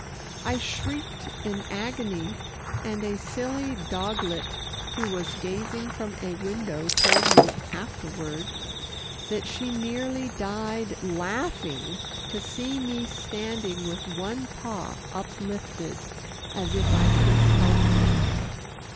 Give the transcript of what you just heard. I shrieked in agony, and a silly doglet who was gazing from a window told me afterward that she nearly died laughing to see me standing with one paw uplifted as if I could help them.